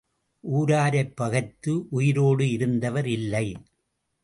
ஊராரைப் பகைத்து உயிரோடு இருந்தவர் இல்லை.